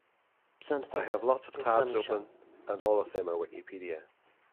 I have lots of tabs open, and all of them are Wikipedia.